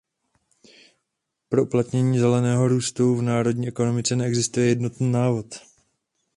Pro uplatnění „zeleného růstu“ v národní ekonomice neexistuje „jednotný návod“.